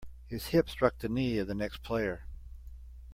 His hip struck the knee of the next player.